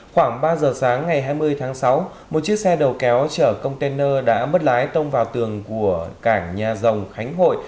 khoảng ba giờ sáng ngày hai mươi tháng sáu một chiếc xe đầu kéo chở container đã mất lái tông vào tường của cảng nhà rồng khánh hội